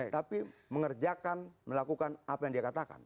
tapi mengerjakan melakukan apa yang dia katakan